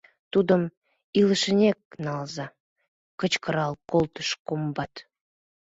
— Тудым илышынек налза! — кычкырал колтыш комбат.